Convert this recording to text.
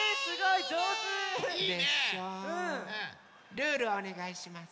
ルールをおねがいします。